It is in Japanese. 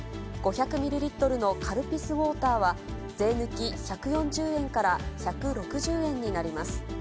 ５００ミリリットルのカルピスウォーターは税抜き１４０円から１６０円になります。